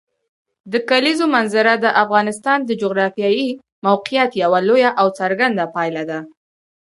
د کلیزو منظره د افغانستان د جغرافیایي موقیعت یوه لویه او څرګنده پایله ده.